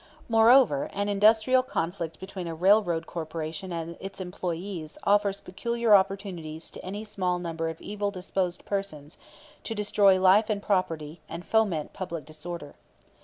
"Moreover, an industrial conflict between a railroad corporation and its employees offers peculiar opportunities to any small number of evil disposed persons to destroy life and property and foment public disorder.